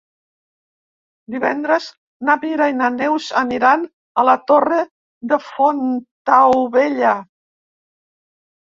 Divendres na Mira i na Neus aniran a la Torre de Fontaubella.